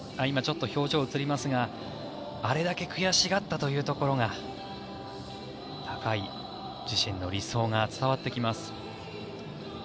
今、ちょっと表情が映りますがあれだけ悔しがったというところが高い自身の理想が伝わってきます。